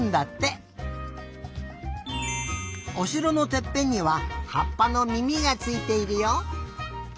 おしろのてっぺんにははっぱのみみがついているよ。